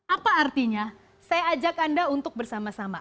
apa artinya saya ajak anda untuk bersama sama